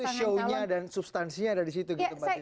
justru itu show nya dan substansinya ada di situ gitu pak giti ya